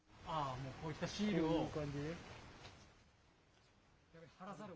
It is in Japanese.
もうこういったシールを？